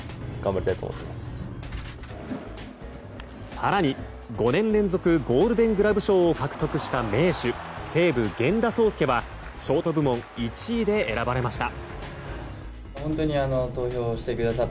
更に、５年連続ゴールデン・グラブ賞を獲得した名手西武、源田壮亮はショート部門１位で選ばれました。